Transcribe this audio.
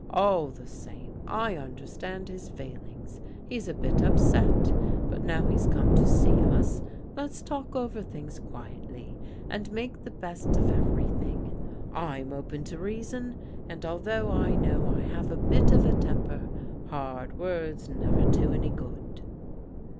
All the same, I understand his feelings. He's a bit upset. But now he's come to see us, let's talk over things quietly, and make the best of everything. I'm open to reason, and although I know I have a bit of a temper, hard words never do any good."